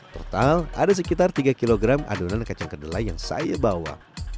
total ada sekitar tiga kg adonan kacang kedelai yang saya bawa